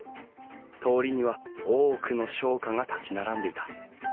通りには多くの商家が立ち並んでいた。